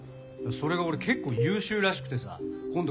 それが俺結構優秀らしくてさ今度